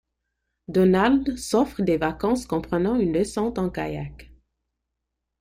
Donald s'offre des vacances comprenant une descente en kayak.